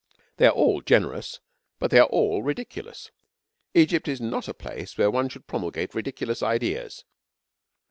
'They are all generous; but they are all ridiculous. Egypt is not a place where one should promulgate ridiculous ideas.'